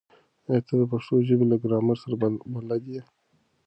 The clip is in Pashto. ایا ته د پښتو ژبې له ګرامر سره بلد یې؟